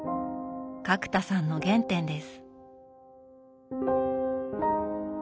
角田さんの原点です。